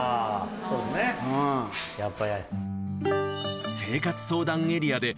そうですねやっぱ。